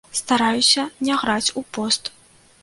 Стараюся не граць у пост.